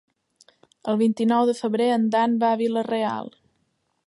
El vint-i-nou de febrer en Dan va a Vila-real.